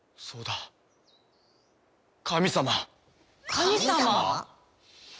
そうだ神様！